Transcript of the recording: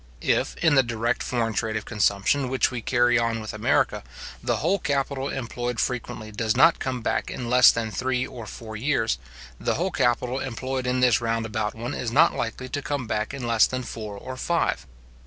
If, in the direct foreign trade of consumption which we carry on with America, the whole capital employed frequently does not come back in less than three or four years, the whole capital employed in this round about one is not likely to come back in less than four or five.